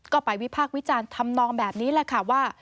ก็ไปวิพากษ์วิจารณ์ทำนองแบบนี้แหละค่ะว่า